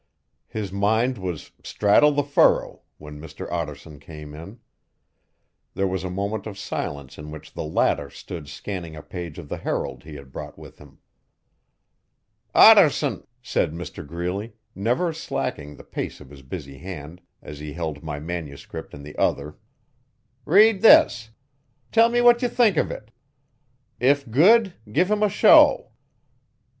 His mind was 'straddle the furrow' when Mr Ottarson came in. There was a moment of silence in which the latter stood scanning a page of the Herald he had brought with him. 'Ottarson!' said Mr Greeley, never slacking the pace of his busy hand, as he held my manuscript in the other, 'read this. Tell me what you think of it. If good, give him a show.